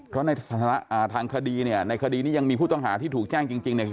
เพราะในสถานะทางคดีเนี่ยในคดีนี้ยังมีผู้ต้องหาที่ถูกแจ้งจริงเนี่ย